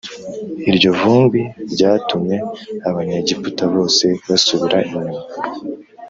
Iryo vumbi ryatumye Abanyegiputa bose basubira inyuma